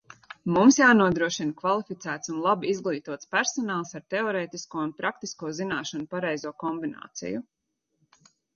Mums jānodrošina kvalificēts un labi izglītots personāls ar teorētisko un praktisko zināšanu pareizo kombināciju.